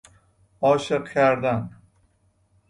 عاشق کردن